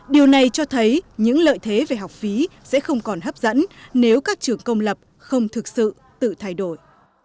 điều này cho thấy những lợi thế về học phí sẽ không còn hấp dẫn nếu các trường công lập không thực sự tự thay đổi